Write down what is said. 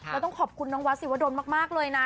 แล้วต้องขอบคุณน้องวัสสิวดลมากเลยนะ